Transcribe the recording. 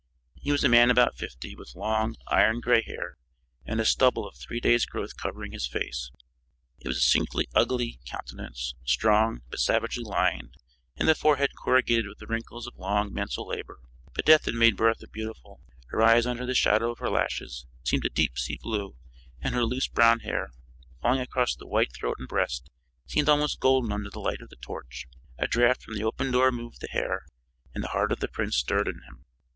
He was a man about fifty, with long, iron gray hair, and a stubble of three days' growth covering his face. It was a singularly ugly countenance, strong, but savagely lined, and the forehead corrugated with the wrinkles of long, mental labor. But death had made Bertha beautiful. Her eyes under the shadow of her lashes, seemed a deep sea blue, and her loose, brown hair, falling across the white throat and breast, seemed almost golden under the light of the torch. A draft from the open door moved the hair and the heart of the prince stirred in him.